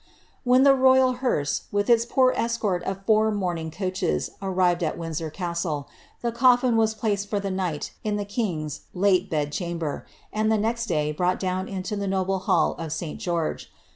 When the royal hearse, with its poor escort of four mouniing coaches, arrived at Windsor castle, the coffin was placed for the night in the king's late bed chamber, and the next day brought down into the noble hall of St. George.